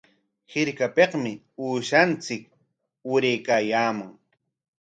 Hirkapikmi uushanchik uraykaayaamun.